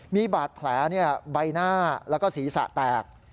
มีบาดแผลใบหน้าแล้วก็ศีรษะแตก